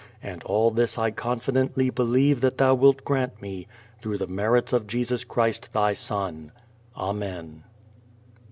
And all this I confidently believe Thou wilt grant me through the merits of Jesus Christ Thy Son. Amen.